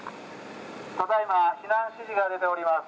ただ今避難指示が出ております。